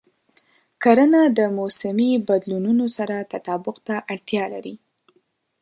کرنه د موسمي بدلونونو سره تطابق ته اړتیا لري.